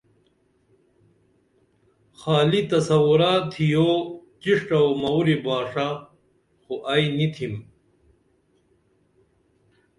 خالی تصورہ تِھیو چݜٹہ او موری باݜہ خو ائی نی تِھم